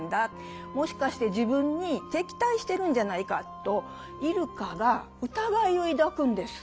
もしかして自分に敵対してるんじゃないかと入鹿が疑いを抱くんです。